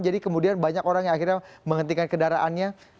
jadi kemudian banyak orang yang akhirnya menghentikan kendaraannya